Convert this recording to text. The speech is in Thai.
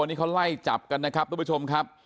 วันนี้เขาไล่จับกันนะครับทุกผู้ชมครับ